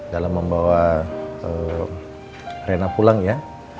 dalam membawa rena pulang ya